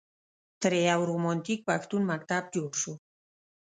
ترې یو رومانتیک پښتون مکتب جوړ شو.